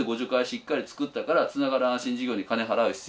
しっかり作ったから「つながるあんしん事業」に金払う必要ないな。